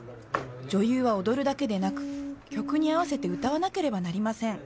女優は踊るだけでなく曲に合わせて歌わなければなりません